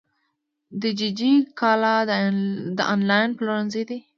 دیجیجی کالا د انلاین پلورنځی دی.